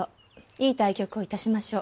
いい対局を致しましょう。